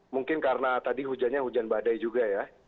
mungkin karena tadi hujannya hujan badai juga ya